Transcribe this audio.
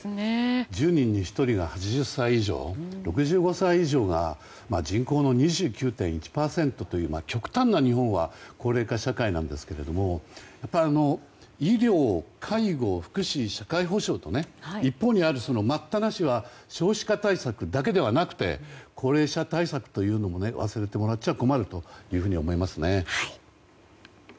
１０人に１人が８０歳以上６５歳以上が人口の２９．１％という日本は極端な高齢化社会なんですが医療・介護、福祉社会保障とね待ったなしは少子化対策だけでなくて高齢者対策というのも忘れてもらっちゃ困ると思いますね。